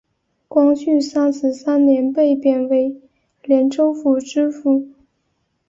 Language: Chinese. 光绪三十三年被贬为廉州府知府。